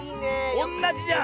おんなじじゃん。